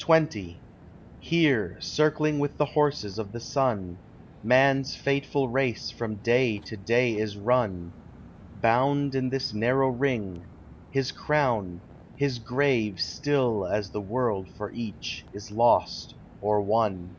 XX Here, circling with the horses of the sun, Man's fateful race from day to day is run; Bound in this narrow ring—his crown, his grave Still as the world for each is lost or won.